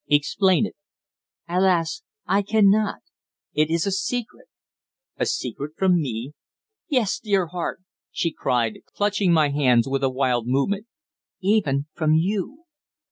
"Explain it." "Alas! I cannot. It is a secret." "A secret from me?" "Yes, dear heart!" she cried, clutching my hands with a wild movement. "Even from you."